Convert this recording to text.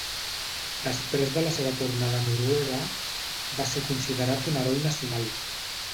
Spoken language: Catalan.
Després de la seva tornada a Noruega, va ser considerat un heroi nacional.